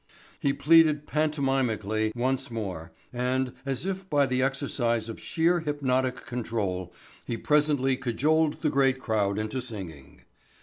He pleaded pantomimically once more and, as if by the exercise of sheer hypnotic control, he presently cajoled the great crowd into singing.